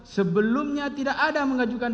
sebelumnya tidak ada mengajukan